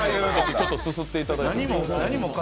ちょっとすすっていただいて。